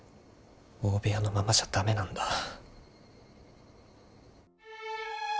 大部屋のままじゃ駄目なんだ。